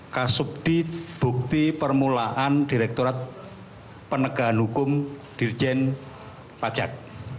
kasubdi bukti permulaan direkturat penegahan hukum dirjen pajak